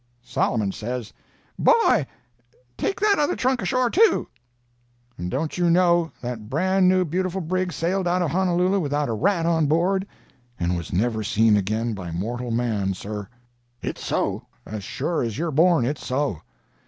"Solomon says—'Boy, take that other trunk ashore, too.' "And don't you know, that bran new beautiful brig sailed out of Honolulu without a rat on board, and was never seen again by mortal man, sir! It's so—as sure as you're born, it's so.